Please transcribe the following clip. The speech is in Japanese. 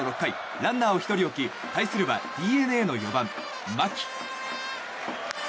ランナーを１人置き対するはＤｅＮＡの４番、牧。